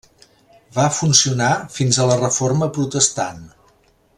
Va funcionar fins a la Reforma Protestant.